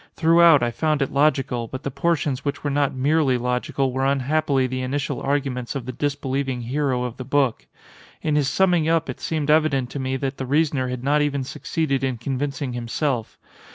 Throughout I found it logical, but the portions which were not merely logical were unhappily the initial arguments of the disbelieving hero of the book. In his summing up it seemed evident to me that the reasoner had not even succeeded in convincing himself.